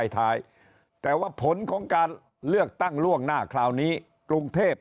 ท้ายแต่ว่าผลของการเลือกตั้งล่วงหน้าคราวนี้กรุงเทพ